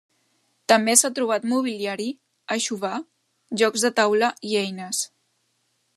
També s'ha trobat mobiliari, aixovar, jocs de taula i eines.